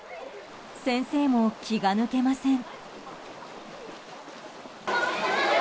先生も気が抜けません。